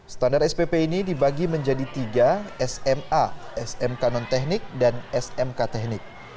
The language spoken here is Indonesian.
standar spp ini dibagi menjadi tiga sma smk non teknik dan smk teknik